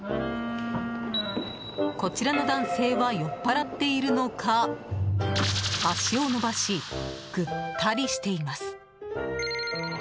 こちらの男性は酔っ払っているのか足を伸ばし、ぐったりしています。